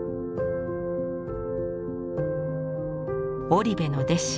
織部の弟子